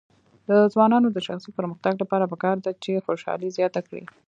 د ځوانانو د شخصي پرمختګ لپاره پکار ده چې خوشحالي زیاته کړي.